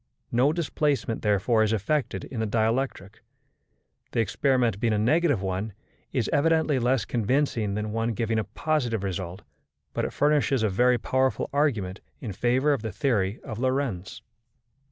No displacement, therefore, is effected in the dielectric. The experiment being a negative one, is evidently less convincing than one giving a positive result, but it furnishes a very powerful argument in favour of the theory of Lorentz.